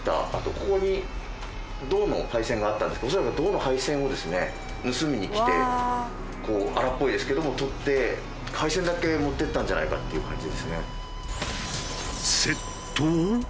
ここに銅の配線があったんですけど恐らく銅の配線をですね盗みに来てこう荒っぽいですけどもとって配線だけ持ってったんじゃないかっていう感じですね。